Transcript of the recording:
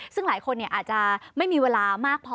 ซึ่งหลายคนอาจจะไม่มีเวลามากพอ